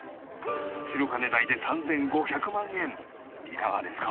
白金台で３５００万円いかがですか？